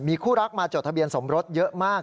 คู่รักมาจดทะเบียนสมรสเยอะมาก